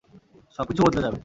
সবকিছু বদলে যাবে।